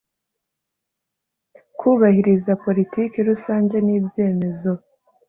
Kubahiriza politiki rusange n ibyemezo